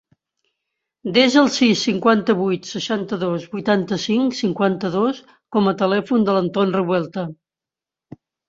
Desa el sis, cinquanta-vuit, seixanta-dos, vuitanta-cinc, cinquanta-dos com a telèfon de l'Anton Revuelta.